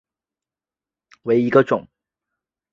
网格卷管螺为卷管螺科粗切嘴螺属下的一个种。